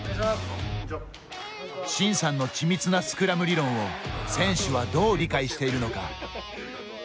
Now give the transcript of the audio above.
慎さんの緻密なスクラム理論を選手は、どう理解しているのか。